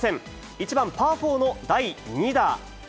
１番パーフォーの第２打。